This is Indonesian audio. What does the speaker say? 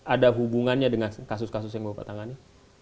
ada hubungannya dengan kasus kasus yang bapak tangani